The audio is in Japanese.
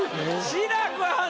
志らくはん